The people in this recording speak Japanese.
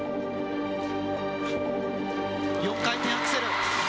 ４回転アクセル。